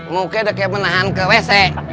mungkin udah kayak menahan ke wc